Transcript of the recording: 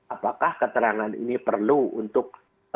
apakah keterangan ini perlu untuk